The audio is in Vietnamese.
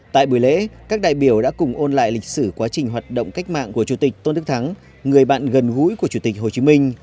tại buổi lễ các đại biểu đã cùng ôn lại lịch sử quá trình hoạt động cách mạng của chủ tịch tôn đức thắng người bạn gần gũi của chủ tịch hồ chí minh